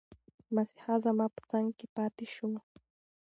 مسیحا زما په څنګ کې پاتي شو.